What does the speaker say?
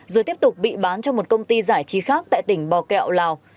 rồi tiếp tục bị bán cho một công ty giải trí khác tại tỉnh bò kẹo lào